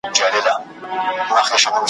اوسيدل پکښي بچي میندي پلرونه `